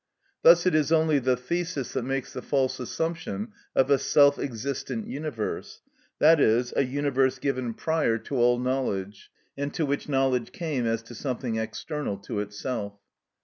Thus it is only the thesis that makes the false assumption of a self existent universe, i.e., a universe given prior to all knowledge, and to which knowledge came as to something external to itself.